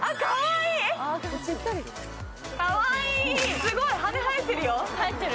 すごい、羽生えてるよ。